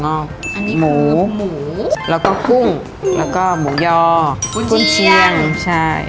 อันนี้หมูหมูแล้วก็กุ้งแล้วก็หมูยอกุ้นเชียงใช่